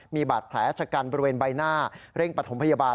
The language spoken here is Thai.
มีบาดแผลชะกันบริเวณใบหน้าเร่งปฐมพยาบาล